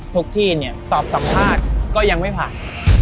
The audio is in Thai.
ที่เนี่ยตอบสัมภาษณ์ก็ยังไม่ผ่าน